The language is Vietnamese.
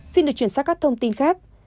xin được chuyển sang các thông tin khác